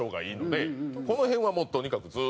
この辺はもうとにかくずっと歌ってる。